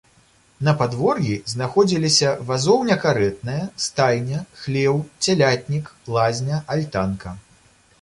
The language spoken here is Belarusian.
На падвор'і знаходзіліся вазоўня-карэтная, стайня, хлеў, цялятнік, лазня, альтанка.